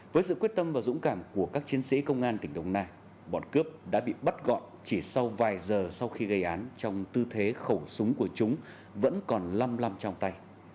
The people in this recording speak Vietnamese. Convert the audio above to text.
với sự quyết tâm và dũng cảm của các chiến sĩ công an tỉnh đồng nai bọn cướp đã bị bắt gọn chỉ sau vài giờ sau khi gây án trong tư thế khẩu súng của chúng vẫn còn lăm lăm trong tay